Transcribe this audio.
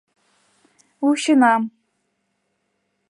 Вученам.